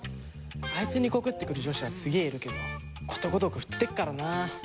あいつに告ってくる女子はすげえいるけどことごとく振ってるからな。